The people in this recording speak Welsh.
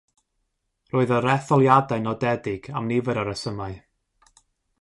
Roedd yr etholiadau'n nodedig am nifer o resymau.